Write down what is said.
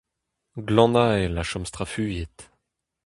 Glanhael a chom strafuilhet.